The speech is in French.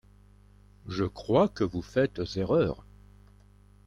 Je crois que vous faites erreur.